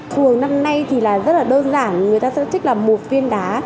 vùng năm nay thì rất là đơn giản người ta sẽ thích là một viên đá